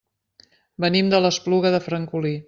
Venim de l'Espluga de Francolí.